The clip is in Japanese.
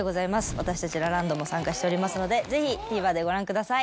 私たちラランドも参加しておりますのでぜひＴＶｅｒでご覧ください。